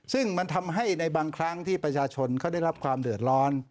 ซึ่งมันทำให้ในบางครั้งที่ประชาชนเขาได้รับความเดือดร้อน